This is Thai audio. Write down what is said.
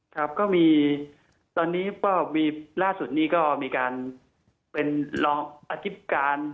ครับก็มีตอนนี้ก็มีล่าสุดนี้ก็มีการเป็นรองอธิบการ